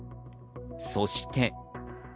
そして。